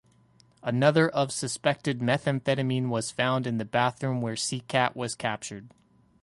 Another of suspected methamphetamine was found in the bathroom where Seacat was captured.